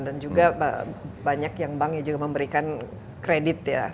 dan juga banyak yang banknya juga memberikan kredit ya